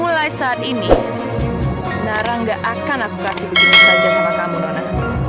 mulai saat ini nara gak akan aku kasih begini saja sama kamu nana